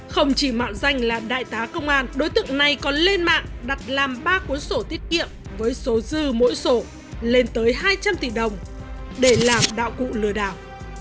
không chỉ mạo danh là đại tá công an đối tượng này còn lên mạng đặt làm ba cuốn sổ tiết kiệm với số dư mỗi sổ lên tới hai trăm linh tỷ đồng để làm đạo cụ lừa đảo